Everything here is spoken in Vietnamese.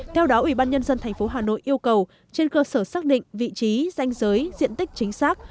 theo đó ủy ban nhân dân tp hà nội yêu cầu trên cơ sở xác định vị trí danh giới diện tích chính xác